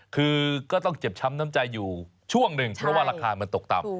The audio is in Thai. คือก็ต้องเจ็บช้ำน้ำใจอยู่ช่วงหนึ่งเพราะว่าราคามันตกต่ำ